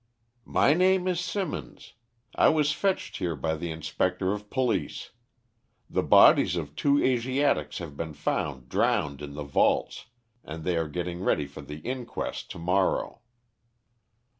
"My name is Symonds. I was fetched here by the inspector of police. The bodies of two Asiatics have been found drowned in the vaults, and they are getting ready for the inquest to morrow."